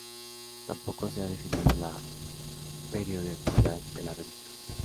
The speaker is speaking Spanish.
Tampoco se ha definido la periodicidad de la revista.